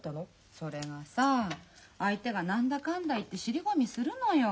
それがさ相手が何だかんだ言って尻込みするのよ。